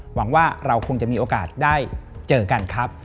หวังว่าเราคงจะมีโอกาสได้เจอกันครับ